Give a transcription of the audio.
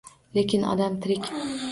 Lekin odam tirik –